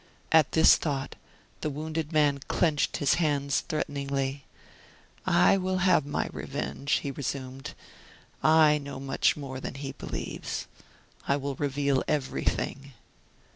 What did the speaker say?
At this thought the wounded man clenched his hands threateningly. "I will have my revenge," he resumed. "I know much more than he believes. I will reveal everything."